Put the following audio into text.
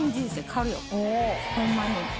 ホンマに。